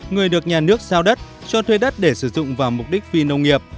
ba người được nhà nước sao đất cho thuê đất để sử dụng vào mục đích phi nông nghiệp